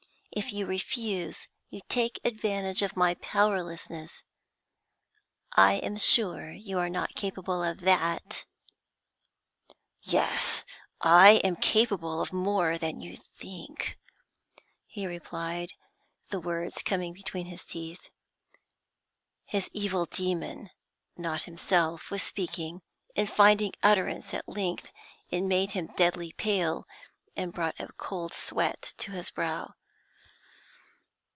If you refuse, you take advantage of my powerlessness. I am sure you are not capable of that.' 'Yes, I am capable of more than you think,' he replied, the words coming between his teeth. His evil demon, not himself, was speaking; in finding utterance at length it made him deadly pale, and brought a cold sweat to his brow.